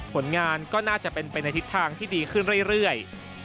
ผลงานก็น่าจะเป็นไปในทิศทางที่ดีขึ้นเรื่อย